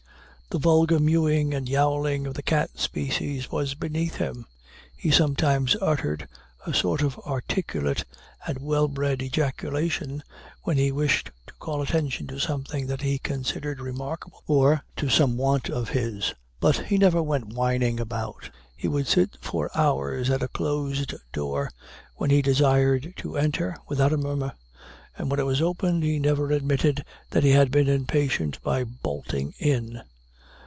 The vulgar mewing and yowling of the cat species was beneath him; he sometimes uttered a sort of articulate and well bred ejaculation, when he wished to call attention to something that he considered remarkable, or to some want of his, but he never went whining about. He would sit for hours at a closed window, when he desired to enter, without a murmur, and when it was opened he never admitted that he had been impatient by "bolting" in.